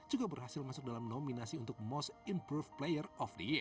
juga berhasil masuk dalam nominasi untuk most improve player of the year